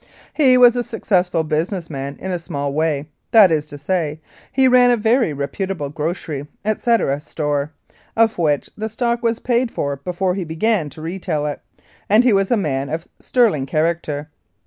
He was a successful business man in a small way; that is to say, he ran a very reputable grocery, etc., store, of which the stock was paid for before he began to retail it, and he was a man of sterling character.